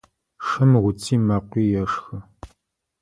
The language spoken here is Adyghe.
Шым уци мэкъуи ешхы.